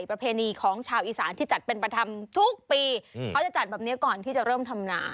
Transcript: ประเพณีของชาวอีสานที่จัดเป็นประธรรมทุกปีเขาจะจัดแบบนี้ก่อนที่จะเริ่มทำนา